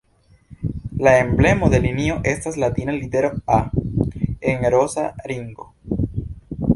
La emblemo de linio estas latina litero "A" en rosa ringo.